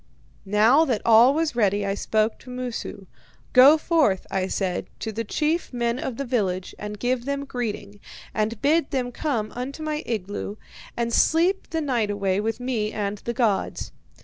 "Now that all was ready, I spoke to Moosu. 'Go forth,' I said, 'to the chief men of the village, and give them greeting, and bid them come into my igloo and sleep the night away with me and the gods.'